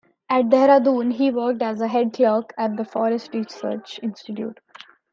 At Dehradun he worked as a head clerk at the Forest Research Institute.